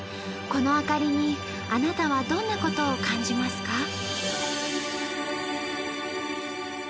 この明かりにあなたはどんなことを感じますか？